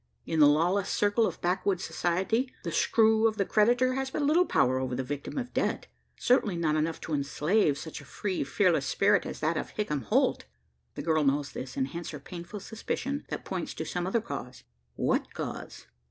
In the lawless circle of backwoods' Society, the screw of the creditor has but little power over the victim of debt certainly not enough to enslave such a free fearless spirit as that of Hickman Holt. The girl knows this, and hence her painful suspicion that points to some other cause. What cause?